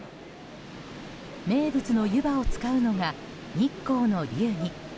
名物の湯葉を使うのが日光の流儀。